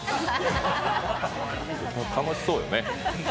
楽しそうよね。